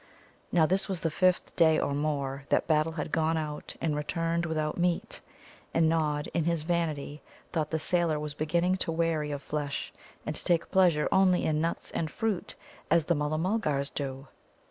Now, this was the fifth day or more that Battle had gone out and returned without meat, and Nod, in his vanity, thought the sailor was beginning to weary of flesh, and to take pleasure only in nuts and fruit, as the Mulla mulgars do.